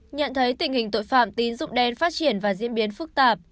nhận thấy tình hình tội phạm tin rụng đen phát triển và diễn biến phức tạp